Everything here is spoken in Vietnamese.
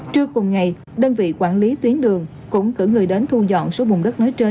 trưa cùng ngày đơn vị quản lý tuyến đường cũng cử người đến thu dọn số bùn đất nói trên